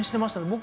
僕